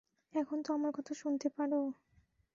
এখন তো আমার কথা শুনতে পারো?